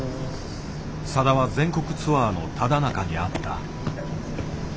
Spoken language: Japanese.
さだは全国ツアーのただなかにあった。